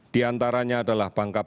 diantaranya adalah bangkabung